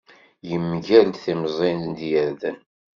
Yemger-d timẓin d yirden.